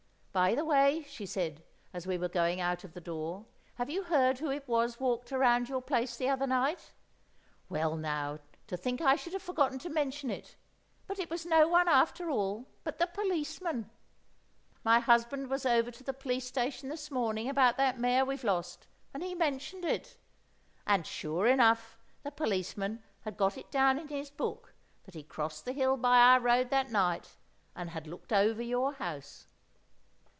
"By the way," she said, as we were going out of the door, "have you heard who it was walked around your place the other night? Well, now, to think I should have forgotten to mention it, but it was no one, after all, but the policeman! My husband was over to the police station this morning about that mare we've lost, and he mentioned it; and, sure enough, the policeman had got it down in his book that he crossed the hill by our road that night, and had looked over your house."